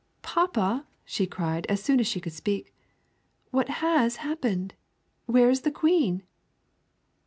"Papa," she cried, as soon as she could speak, "what has happened? Where is the Queen?"